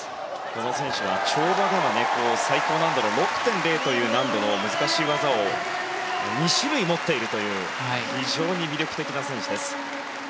この選手は跳馬では最高難度の６．０という難度の難しい技を２種類持っているという非常に魅力的な選手です。